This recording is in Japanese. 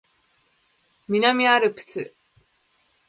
南アルプス